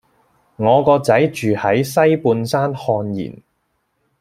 我個仔住喺西半山瀚然